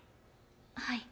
はい、